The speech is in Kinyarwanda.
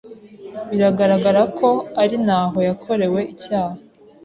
Bigaragara ko ari naho yakorewe icyaha.